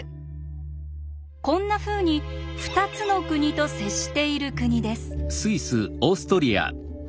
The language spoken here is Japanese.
こんなふうに「二つの国と接している国」です。